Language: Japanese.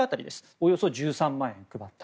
およそ１３万円配った。